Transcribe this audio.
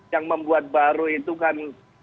yang membuat baru itu kan